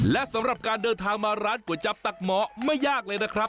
และสำหรับการเดินทางมาร้านก๋วยจับตักหมอไม่ยากเลยนะครับ